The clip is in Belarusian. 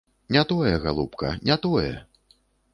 Не тое, галубка, не тое!